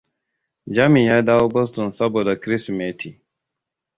Jami ya dawo daga Boston saboda Kirsimeti.